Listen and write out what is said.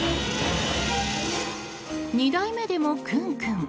２台目でも、クンクン。